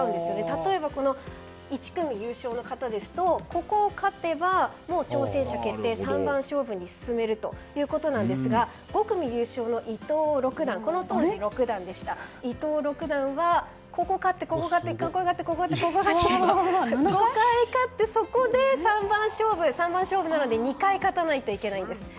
例えば１組優勝の方ですとここを勝てばもう挑戦者決定三番勝負に進めるということなんですが５組優勝のこの当時六段でしたが伊藤六段は５回勝って、そこで三番勝負で２回勝たないといけないんです。